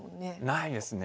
ないですね。